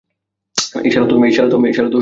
এই শালা তো ফাকিং মাস্টার।